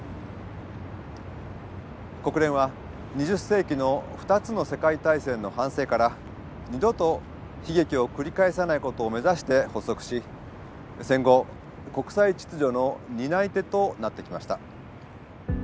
国連は２０世紀の２つの世界大戦の反省から二度と悲劇を繰り返さないことを目指して発足し戦後国際秩序の担い手となってきました。